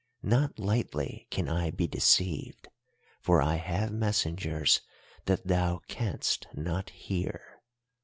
Not lightly can I be deceived, for I have messengers that thou canst not hear.